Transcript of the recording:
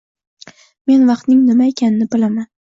Men vaqtning nima ekanini bilaman